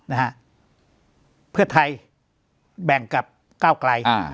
นะฮะเพื่อไทยแบ่งกับก้าวไกลอ่า